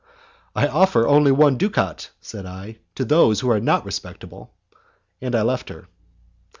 "I offer only one ducat," said I, "to those who are not respectable." And I left her.